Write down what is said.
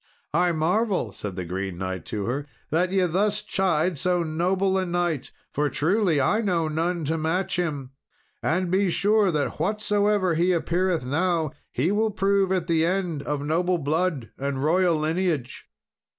"I marvel," said the Green Knight to her, "that ye thus chide so noble a knight, for truly I know none to match him; and be sure, that whatsoever he appeareth now, he will prove, at the end, of noble blood and royal lineage."